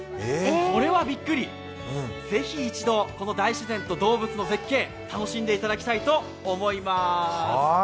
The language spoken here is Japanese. これはびっくり、ぜひ一度、この大自然と動物の絶景楽しんでいただきたいと思います。